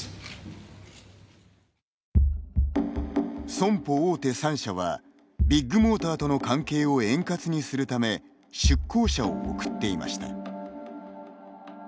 損保大手三社はビッグモーターとの関係を円滑にするため出向者を送っていました。